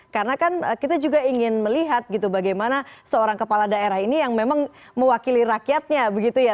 karena kan kita juga ingin melihat gitu bagaimana seorang kepala daerah ini yang memang mewakili rakyatnya begitu ya